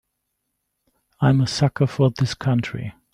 I'm a sucker for this country.